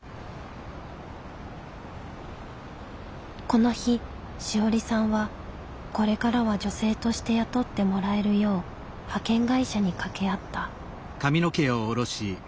この日志織さんはこれからは女性として雇ってもらえるよう派遣会社に掛け合った。